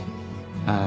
ああ。